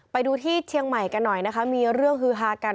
ไปดูที่เชียงใหม่กันหน่อยนะคะมีเรื่องฮือฮากัน